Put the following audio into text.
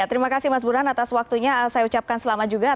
terima kasih mas burhan atas waktunya saya ucapkan selamat juga